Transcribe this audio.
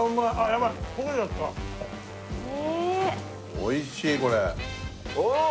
おいしいこれ。